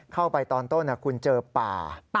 เข้าไปตอนต้นคุณเจอป่า